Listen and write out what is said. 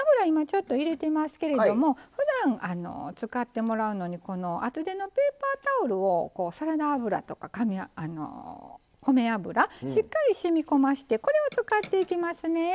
今ちょっと入れてますけれどもふだん使ってもらうのにこの厚手のペーパータオルをサラダ油とか米油しっかり染み込ましてこれを使っていきますね。